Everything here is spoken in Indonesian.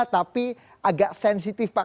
tapi agak sensitif pak